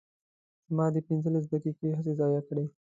زما دې پنځلس دقیقې هسې ضایع کړې.